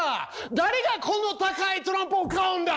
誰がこの高いトランプを買うんだ！